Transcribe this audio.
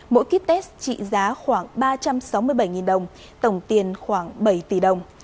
mỗi ký test trị giá khoảng ba trăm sáu mươi bảy đồng tổng tiền khoảng bảy tỷ đồng